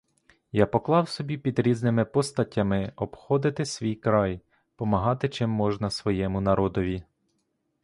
Я поклав собі під різними постатями обходити свій край, помагати чим можна свому народові.